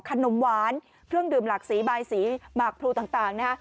ขนมหวานเครื่องดื่มหลักสีบายสีหมากพลูต่างนะฮะ